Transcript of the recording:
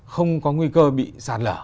không có nguy cơ bị sạt lở